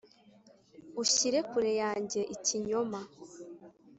Ushyire kure yanjye ikinyoma